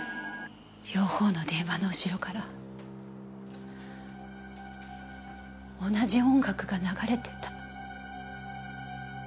両方の電話の後ろから同じ音楽が流れていた。